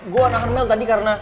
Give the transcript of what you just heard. gue nganahan mel tadi karena